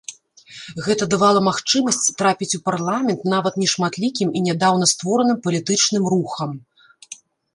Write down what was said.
Гэта давала магчымасць трапіць у парламент нават нешматлікім і нядаўна створаным палітычным рухам.